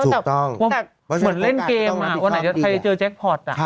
ถูกต้องเหมือนเล่นเกมอ่ะวันไหนใครจะเจอแจ็คพอร์ตอ่ะ